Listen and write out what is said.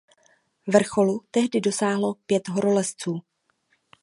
Vrcholu tehdy dosáhlo pět horolezců.